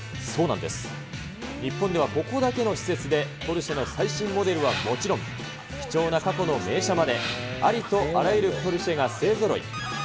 日本ではここだけの施設で、ポルシェの最新モデルはもちろん、貴重な過去の名車まで、ありとあらゆるポルシェが勢ぞろい。